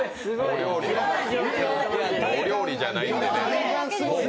お料理じゃないんでね。